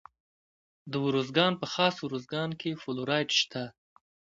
د ارزګان په خاص ارزګان کې فلورایټ شته.